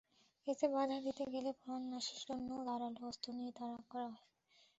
এতে বাধা দিতে গেলে প্রাণনাশের জন্য ধারালো অস্ত্র নিয়ে তাড়া করা হয়।